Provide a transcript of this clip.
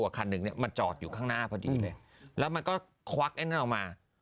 เวลาเราเจอเหตุการณ์แบบนี้นะ